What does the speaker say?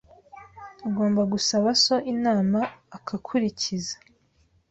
Ugomba gusaba so inama akakurikiza.